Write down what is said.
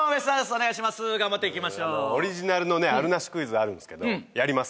お願いします頑張っていきましょうオリジナルのねあるなしクイズあるんですけどやります？